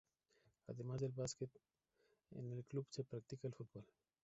Además del básquet, en el club se practica el fútbol.